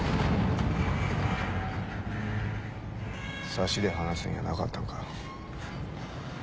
サシで話すんやなかったんか？